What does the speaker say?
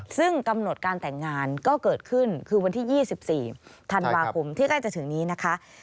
ซึ่งกำหนดการแต่งงานก็เกิดขึ้นคือวันที่๒๔ธันวาคมที่ใกล้จะถึงนี้นะคะ